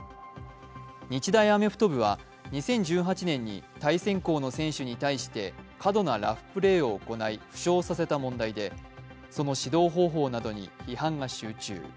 日大アメフト部は、２０１８年に対戦校の選手に対して過度なラフプレーを行い負傷させた問題でその指導方法などに批判が集中。